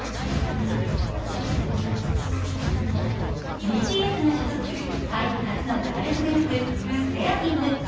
ＢＴＳが所属するＨＹＢＥ初のガールズグループ・ＬＥＳＳＥＲＡＦＩＭ。